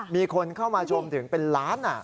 มีคนเข้ามาชมถึงเป็นล้าน